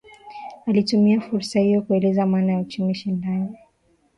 Alitumia fursa hiyo kueleza maana ya uchumi shindani